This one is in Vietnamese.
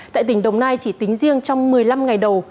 tại tỉnh đồng nai chỉ tính riêng trong một mươi năm ngày đầu